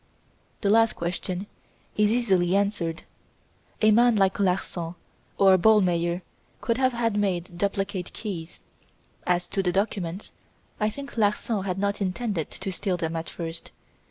"The last question is easily answered. A man like Larsan, or Ballmeyer, could have had made duplicate keys. As to the documents, I think Larsan had not intended to steal them, at first.